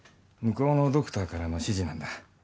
向こうのドクターからの指示なんだ。